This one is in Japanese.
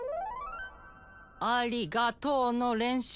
ありがとうの練習？